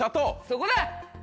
そこだ！